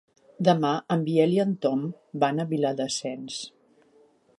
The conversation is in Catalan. Demà en Biel i en Tom van a Viladasens.